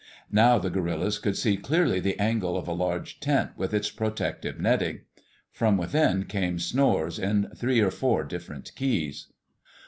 Now the guerillas could see clearly the angle of a large tent with its protective netting. From within came snores in three or four different keys.